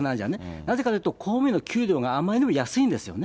なぜかというと、公務員の給与があまりにも安いんですよね。